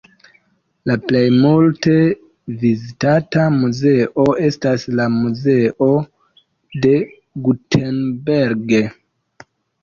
La plej multe vizitata muzeo estas la Muzeo de Gutenberg.